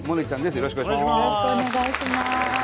よろしくお願いします。